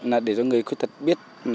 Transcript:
là để cho người khuyết tật biết